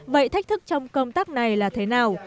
vậy thách thức trong công tác này là thế nào